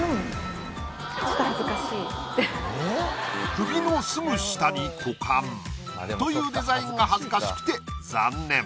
首のすぐ下に股間というデザインが恥ずかしくて残念。